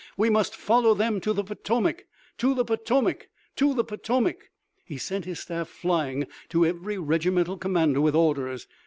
"We must follow them to the Potomac! To the Potomac! To the Potomac!" He sent his staff flying to every regimental commander with orders.